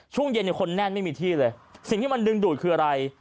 ช่วงเย็นเนี่ยคนแน่นไม่มีที่เลยสิ่งที่มันดึงดูดคืออะไร